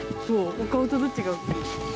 お顔とどっちが大きい？